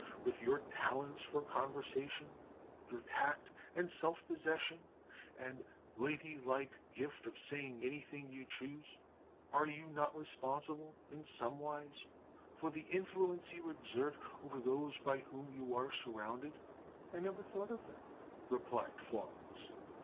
With your talents for conversation, your tact, and self possession, and ladylike gift of saying any thing you choose, are you not responsible, in some wise, for the influence you exert over those by whom you are surrounded?" "I never thought of that," replied Florence.